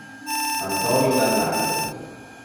Antonio Gallardo